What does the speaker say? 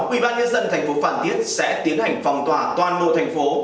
ubnd tp hcm sẽ tiến hành phòng tỏa toàn bộ thành phố